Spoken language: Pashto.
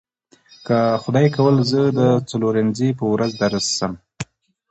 که خدای کول زه د څلورنیځې په ورځ درسم.